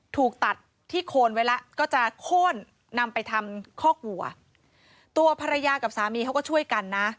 ถูกตัดที่โคนไว้แล้วก็จะโค้นนำไปทำคอกวัวตัวภรรยากับสามีเขาก็ช่วยกันนะ